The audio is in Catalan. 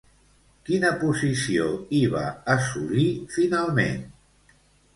Quina posició hi va assolir, finalment?